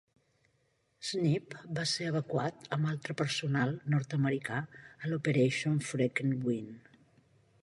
Snepp va ser evacuat amb altre personal nord-americà a l'Operation Frequent Wind.